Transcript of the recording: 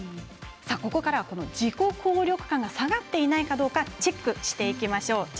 ここからは自己効力感が下がっていないかどうかチェックしていきましょう。